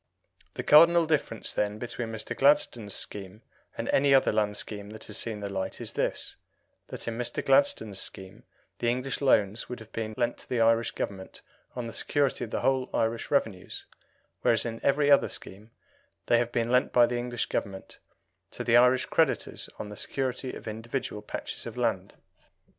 The cardinal difference, then, between Mr. Gladstone's scheme and any other land scheme that has seen the light is this that in Mr. Gladstone's scheme the English loans would have been lent to the Irish Government on the security of the whole Irish revenues, whereas in every other scheme they have been lent by the English Government to the Irish creditors on the security of individual patches of land.